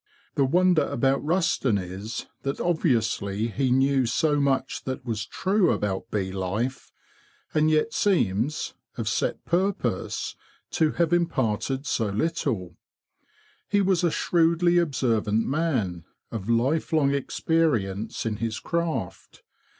The wonder about Rusden is that obviously he knew so much that was true about bee life, and yet seems, of set purpose, to have imparted so littl. He was a shrewdly observant man, of lifelong experience in his craft.